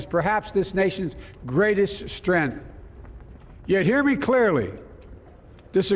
semua orang amerika